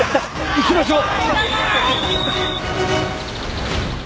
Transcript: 行きましょう！